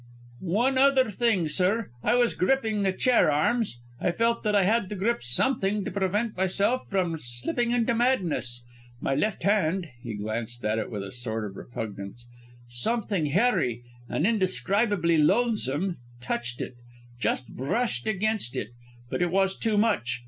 "One other thing, sir. I was gripping the chair arms; I felt that I had to grip something to prevent myself from slipping into madness. My left hand " he glanced at it with a sort of repugnance "something hairy and indescribably loathsome touched it; just brushed against it. But it was too much.